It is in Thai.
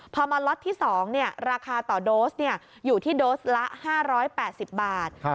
พอมาล็อตที่๒ราคาต่อโดสอยู่ที่โดสละ๕๘๐บาท